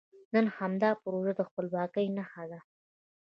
نن همدا پروژه د خپلواکۍ نښه ده.